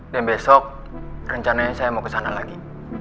dan besok rencananya saya mau ke sana lagi